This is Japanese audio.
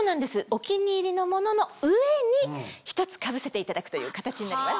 お気に入りのものの上に一つかぶせていただくという形になります。